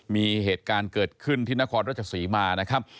มีเหตุการณ์เกิดขึ้นที่นครราชศรีมานะครับ